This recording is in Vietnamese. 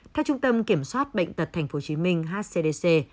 theo trung tâm kiểm soát bệnh tật tp hcm hcdc